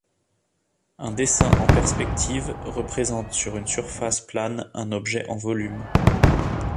Un dessin en perspective représente sur une surface plane un objet en volume.